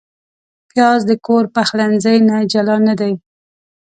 پیاز د کور پخلنځي نه جلا نه دی